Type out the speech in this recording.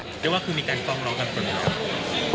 คิดว่าคือมีการกล้องร้องกันขึ้นหรือเปล่า